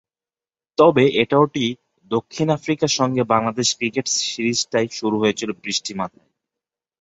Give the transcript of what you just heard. তবে এটাও ঠিক, দক্ষিণ আফ্রিকার সঙ্গে বাংলাদেশের ক্রিকেট সিরিজটাই শুরু হয়েছিল বৃষ্টিমাথায়।